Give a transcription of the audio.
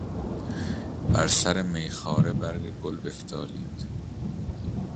بر سر میخواره برگ گل بفتالید